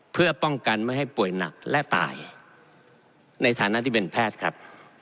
เพื่อป้องกันไม่ให้ป่วยหนักและตายในฐานะที่เป็นแพทย์ครับ